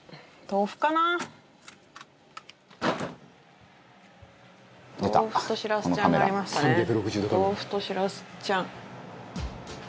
豆腐としらすちゃん。